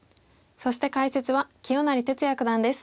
そして解説は清成哲也九段です。